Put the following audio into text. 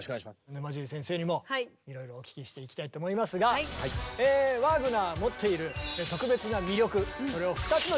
沼尻先生にもいろいろお聞きしていきたいと思いますがワーグナーが持っている特別な魅力それを２つのキーワードで迫っていきます。